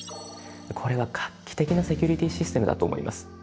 これは画期的なセキュリティシステムだと思います。